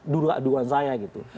dua duaan saya gitu